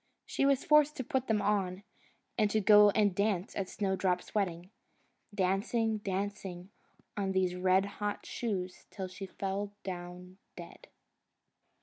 She was forced to put them on, and to go and dance at Snowdrop's wedding dancing, dancing on these red hot shoes till she fell down dead.